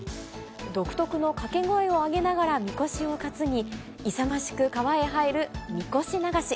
独特の掛け声を上げながらみこしを担ぎ、勇ましく川へ入るみこし流し。